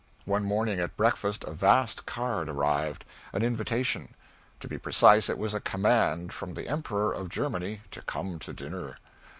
One morning at breakfast a vast card arrived an invitation. To be precise, it was a command from the Emperor of Germany to come to dinner.